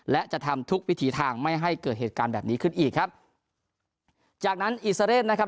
และจะทำทุกวิถีทางไม่ให้เกิดเหตุการณ์แบบนี้ขึ้นอีกครับจากนั้นอิซาเรนนะครับ